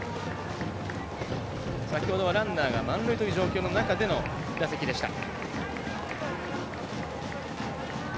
先ほどはランナーが満塁という状況の中での打席でした。